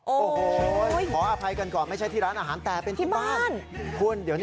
โอ้โหยขออภัยกันก่อนไม่ใช่ที่ร้านอาหารแต่เป็นที่บ้าน